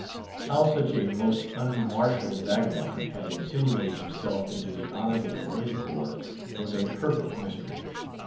How such a most unmartial vagabond had insinuated himself into the honourable marine corps was a perfect mystery.